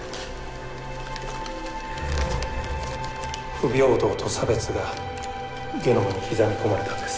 不平等と差別がゲノムに刻み込まれたんです。